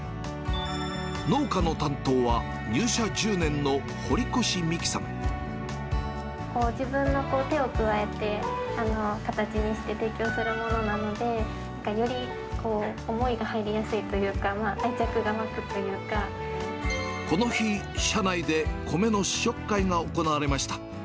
農家の担当は、自分の手を加えて、形にして提供するものなので、より思いが入りやすいというか、この日、社内で米の試食会が行われました。